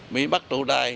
bị bắt tụ đài